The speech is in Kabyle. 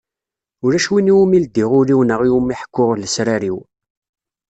Ulac win i wumi ldiɣ ul-iw neɣ i wumi ḥekkuɣ lesrar-iw.